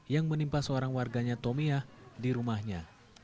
yang menimpa seorang warganya tomiah di rumahnya